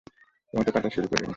Tomato কাটা শুরু করিনি।